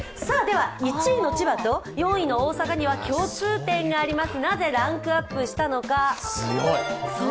１位の千葉と４位の大阪には共通点があります。